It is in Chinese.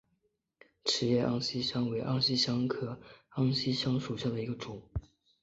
齿叶安息香为安息香科安息香属下的一个种。